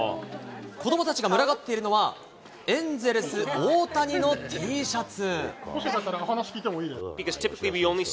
子どもたちが群がっているのは、エンゼルス、大谷のＴシャツ。